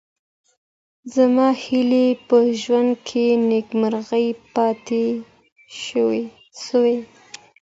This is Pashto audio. زما هیلې په ژوند کي نیمګړې پاتې سوې.